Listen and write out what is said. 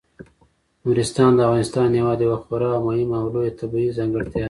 نورستان د افغانستان هیواد یوه خورا مهمه او لویه طبیعي ځانګړتیا ده.